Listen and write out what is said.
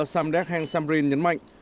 samdeck heng samrin nhấn mạnh